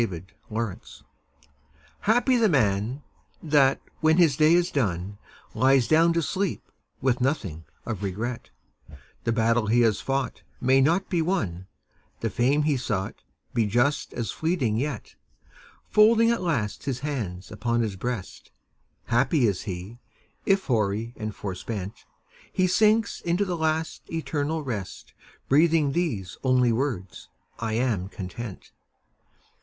CONTENTMENT Happy the man that, when his day is done, Lies down to sleep with nothing of regret The battle he has fought may not be won The fame he sought be just as fleeting yet; Folding at last his hands upon his breast, Happy is he, if hoary and forespent, He sinks into the last, eternal rest, Breathing these only works: "I am content."